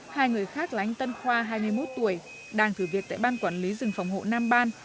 hai người khác là anh tân khoa hai mươi một tuổi đang thử việc tại ban quản lý rừng phòng hộ nam ban